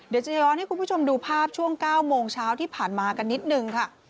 เดี๋ยวจะย้อนให้คุณผู้ชมดูภาพช่วง๙โมงเช้าที่ผ่านมากันนิดนึงค่ะ